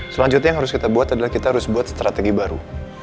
selanjutnya yang harus kita buat adalah kita harus buat strategi baru